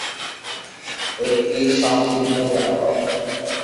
একটি সমৃদ্ধ জনপদ।